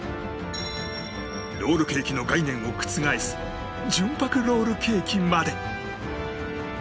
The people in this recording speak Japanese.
ロールケーキの概念を覆す純白ロールケーキまで